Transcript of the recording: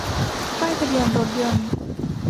ป้ายทะเบียนรถยนต์